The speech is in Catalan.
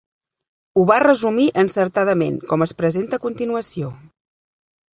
Ho va resumir encertadament com es presenta a continuació: